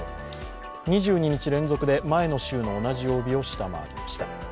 ２２日連続で前の週の同じ曜日を下回りました。